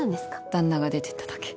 旦那が出てっただけ。